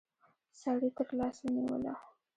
سړي تر لاس ونيوله.